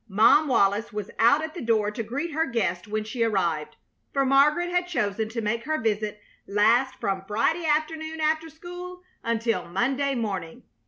Mom Wallis was out at the door to greet her guest when she arrived, for Margaret had chosen to make her visit last from Friday afternoon after school, until Monday morning.